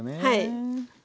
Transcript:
はい。